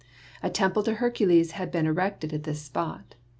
A temple to Hercules had been erected at this spot.